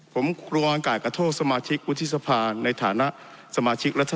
ผมกลัวอนกายกระโทษสมาชิกอุติศภาในฐานะสมาชิกรัฐทศภา